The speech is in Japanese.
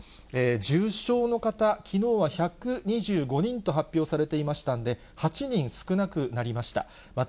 重症の方、きのうは１２５人と発表されていましたんで、８人少なくなりました。